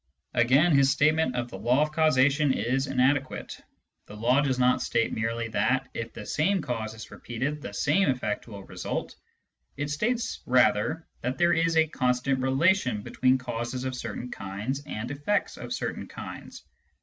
Again, his statement of the law of causation is inadequate. The law does not state merely that, if the same cause is repeated, the same effect will result. It states rather that there is a constant relation between causes of certain kinds and effects of certain kinds.